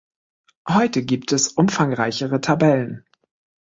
Heute gibt es umfangreichere Tabellen.